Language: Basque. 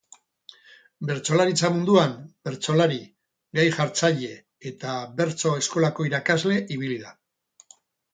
Bertsolaritza munduan, bertsolari, gai jartzaile eta bertso-eskolako irakasle ibili da.